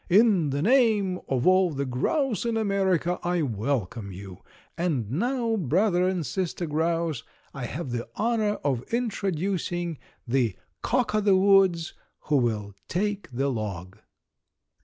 "In the name of all the grouse in America I welcome you. And now, brother and sister grouse, I have the honor of introducing the Cock o' the woods, who will take the log."